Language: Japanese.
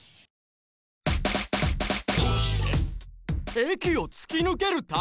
駅を突き抜ける大木！